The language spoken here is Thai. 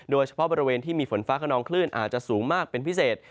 โดยเฉพาะบริเวณที่มีฝนฟ้าขนองคลื่นอาจจะสูงมากเป็นพิเศษ